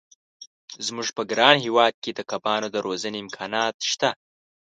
زموږ په ګران هېواد کې د کبانو د روزنې امکانات شته.